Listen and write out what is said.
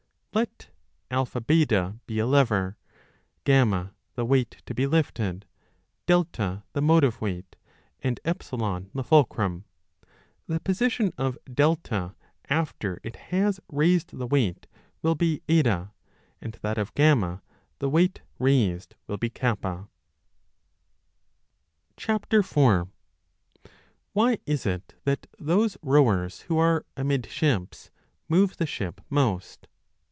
Let AB be a lever, F the weight to be lifted, A the motive weight, and E the fulcrum ; the position of A after it has raised the weight will be H, and that of F, the weight raised, will be K. 10 WHY is it that those rowers who are amidships move 4 the ship most